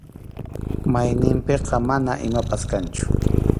Mayninpiqa mana imapas kanchu.